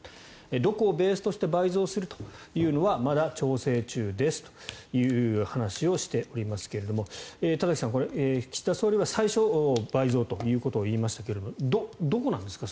どこをベースとして倍増するというのはまだ調整中ですという話をしておりますが田崎さん、これ岸田総理は最初倍増ということを言いましたがどこなんですか？